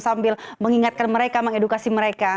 sambil mengingatkan mereka mengedukasi mereka